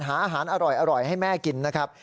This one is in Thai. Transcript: หาอาหารอร่อยให้แม่กินนะครับ